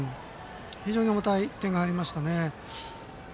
非常に重たい１点が入りましたね。